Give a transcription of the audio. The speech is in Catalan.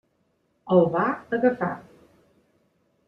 El va agafar.